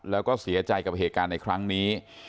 แล้วก็เสียใจกับเหตุการณ์ในครั้งนี้